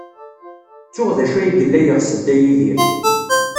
Ttuɣ d acu ay yella yeɣs Dda Yidir.